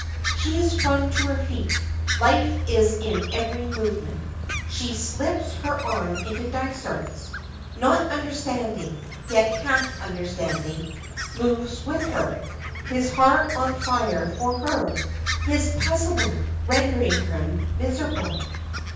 She has sprung to her feet life is in every movement. She slips her arm into Dysart's. Not understanding yet half understanding, moves with her his heart on fire for her, his puzzlement rendering him miserable.